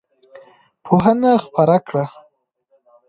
پوهنه خپره کړه.